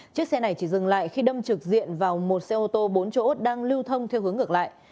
chiếc xe này chỉ dừng lại khi đâm trực diện vào một xe ô tô bốn chỗ đang lưu thông theo hướng ngược lại